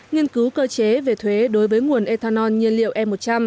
nghiên cứu cơ chế về thuế đối với nguồn ethanol nhiên liệu e một trăm linh